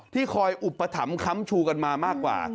คอยอุปถัมภ้ำชูกันมามากกว่า